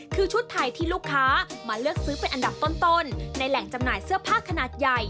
คือชุดไทยที่ลูกค้ามาเลือกซื้อเป็นอันดับต้นในแหล่งจำหน่ายเสื้อผ้าขนาดใหญ่